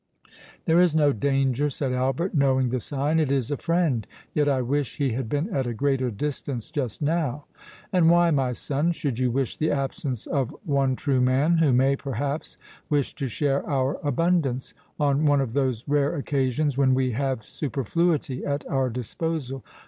"There is no danger," said Albert, knowing the sign—"it is a friend;—yet I wish he had been at a greater distance just now." "And why, my son, should you wish the absence of one true man, who may, perhaps, wish to share our abundance, on one of those rare occasions when we have superfluity at our disposal?